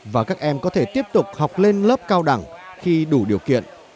và các em có thể tiếp tục học lên lớp cao đẳng khi đủ điều kiện